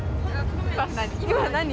今何？